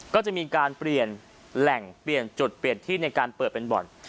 ก็จะมีการเปลี่ยนแหล่งเปลี่ยนจุดเปลี่ยนที่ในการเปิดเป็นบ่อน